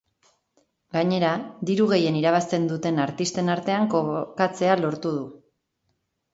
Gainera, diru gehien irabazten duten artisten artean kokatzea lortu du.